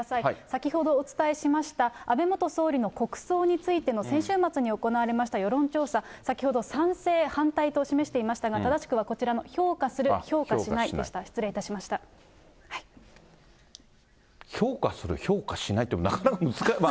先ほどお伝えしました、安倍元総理の国葬についての先週末に行われました世論調査、先ほど賛成、反対と示していましたが、正しくはこちらの、評価する、評価しな評価する、評価しないってなかなか難しい。